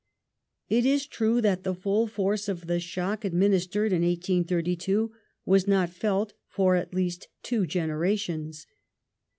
It is true that the full force of the shock administered in 1832 was not felt for at least two generations.